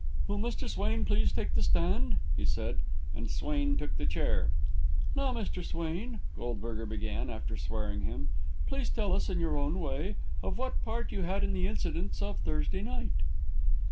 "Will Mr. Swain please take the stand?" he said; and Swain took the chair. "Now, Mr. Swain," Goldberger began, after swearing him, "please tell us, in your own way, of what part you had in the incidents of Thursday night."